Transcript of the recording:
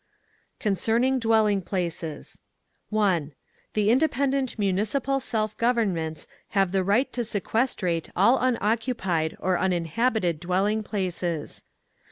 Concerning Dwelling Places 1. The independent Municipal Self Governments have the right to sequestrate all unoccupied or uninhabited dwelling places.